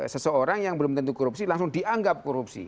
seseorang yang belum tentu korupsi langsung dianggap korupsi